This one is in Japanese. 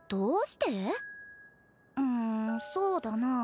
うんそうだな。